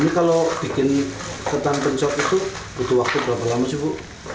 ini kalau bikin ketan pencot itu butuh waktu berapa lama sih bu